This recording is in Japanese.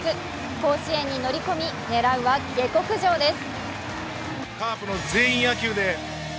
甲子園に乗り込み、狙うは下克上です。